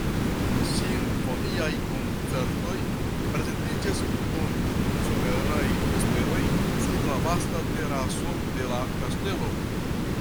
Simfoniaj koncertoj prezentiĝas dum someraj vesperoj sur la vasta teraso de la kastelo.